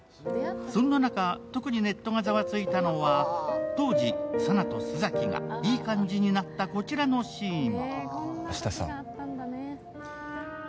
そんな中、特にネットがざわついたのが、当時、佐奈と須崎がいい感じになった、こちらのシーン